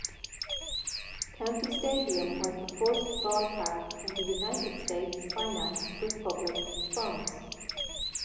County Stadium was the first ballpark in the United States financed with public funds.